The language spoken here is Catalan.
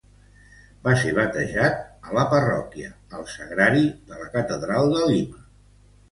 Va ser batejat a la parròquia El Sagrario de la catedral de Lima.